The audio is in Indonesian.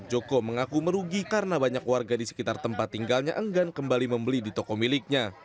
joko mengaku merugi karena banyak warga di sekitar tempat tinggalnya enggan kembali membeli di toko miliknya